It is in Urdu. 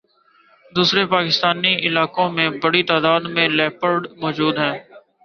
دوسرے پاکستانی علاقوں میں بڑی تعداد میں لیپرڈ موجود ہیں